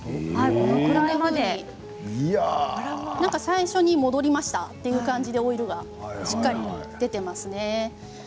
このぐらいまで最初に戻りましたっていう感じでオイルがしっかりと出ていますね。